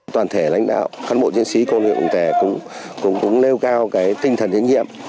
toàn thể lãnh đạo các bộ chiến sĩ công an tỉnh cũng nêu cao tinh thần chiến nghiệm